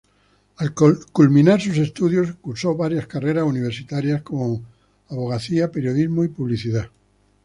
Al culminar sus estudios, cursó varias carreras universitarias, como abogacía, periodismo y publicidad.